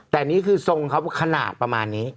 แต่นี่คือทรงเขาขนาดประมาณนี้